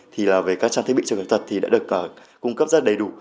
thì là về các trang thiết bị cho người khuyết tật thì đã được cung cấp rất đầy đủ